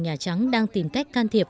nhà trắng đang tìm cách can thiệp